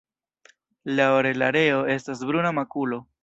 La orelareo estas bruna makulo.